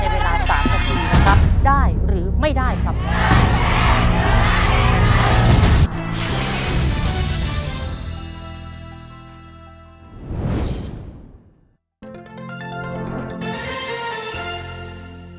โปรดติดตามตอนต่อไป